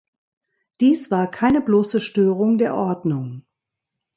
Dies war keine bloße Störung der Ordnung.